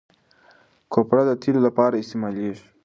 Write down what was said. کوپره د تېلو لپاره استعمالیږي.